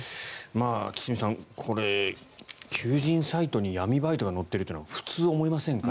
堤さこれ求人サイトに闇バイトが載っているとは普通、思いませんから。